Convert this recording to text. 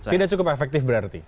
tidak cukup efektif berarti